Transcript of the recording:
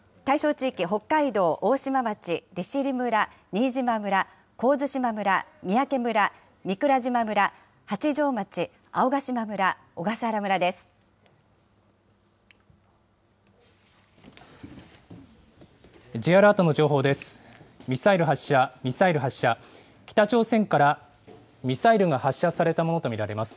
対象地域、北海道、大島町、村、新島村、神津島村、三宅村、御蔵島村、八丈町、青ヶ島村、小笠原村です。